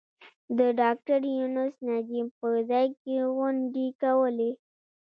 د ډاکټر یونس ندیم په ځای کې غونډې کولې.